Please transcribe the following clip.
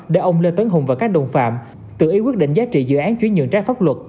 để ông lê tấn hùng và các đồng phạm tự ý quyết định giá trị dự án chuyển nhượng trái pháp luật